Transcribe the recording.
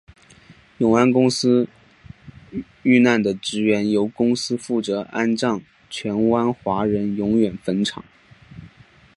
永安公司罹难的职员由公司负责安葬荃湾华人永远坟场。